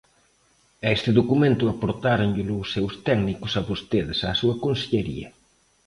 E este documento aportáronllelo os seus técnicos a vostedes, á súa consellería.